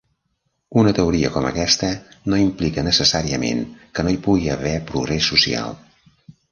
Una teoria com aquesta no implica necessàriament que no hi pugui haver progrés social.